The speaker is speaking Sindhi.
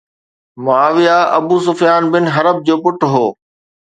معاويه ابو سفيان بن حرب جو پٽ هو